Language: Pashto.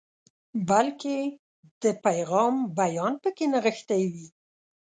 بلکې د پیغام بیان پکې نغښتی وي.